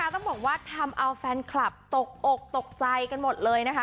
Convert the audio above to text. ต้องบอกว่าทำเอาแฟนคลับตกอกตกใจกันหมดเลยนะคะ